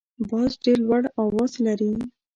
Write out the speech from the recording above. باز ډیر لوړ اواز لري